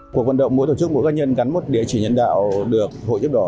cuộc vận động mỗi tổ chức mỗi cá nhân gắn một địa chỉ nhân đạo được hội giúp đỏ